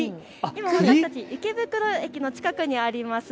今、私たち池袋駅に近くにあります